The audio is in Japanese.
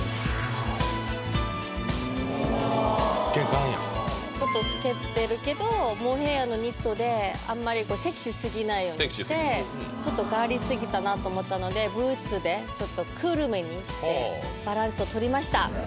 おぉ透け感やちょっと透けてるけどモヘアのニットであんまりセクシーすぎないようにしてちょっとガーリーすぎたなと思ったのでブーツでちょっとクールめにしてバランスをとりました